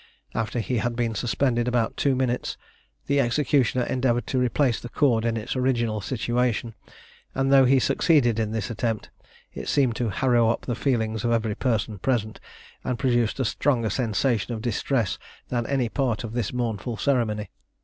After he had been suspended about two minutes, the executioner endeavoured to replace the cord in its original situation; and though he succeeded in this attempt, it seemed to harrow up the feelings of every person present, and produced a stronger sensation of distress than any part of this mournful ceremony.